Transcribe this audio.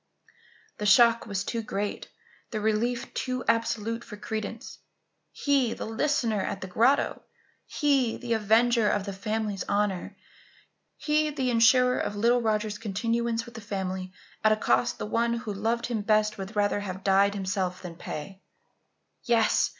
The shock was too great, the relief too absolute for credence. He, the listener at the grotto? He, the avenger of the family's honour? He, the insurer of little Roger's continuance with the family at a cost the one who loved him best would rather have died himself than pay? Yes!